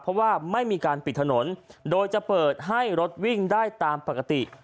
เพราะว่าไม่มีการปิดถนนโดยจะเปิดให้รถวิ่งได้ตามปกติ